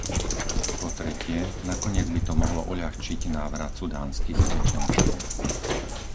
Po tretie, nakoniec by to mohlo uľahčiť návrat sudánskych utečencov.